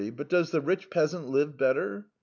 But does a rich peasant live any better ?